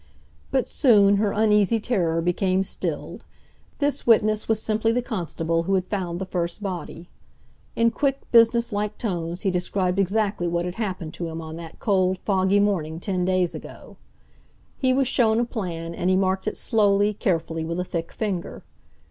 But soon her uneasy terror became stilled. This witness was simply the constable who had found the first body. In quick, business like tones he described exactly what had happened to him on that cold, foggy morning ten days ago. He was shown a plan, and he marked it slowly, carefully, with a thick finger.